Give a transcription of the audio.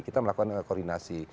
kita melakukan koordinasi